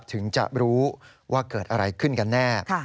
ถึงจะรู้ว่าเกิดอะไรขึ้นกันแน่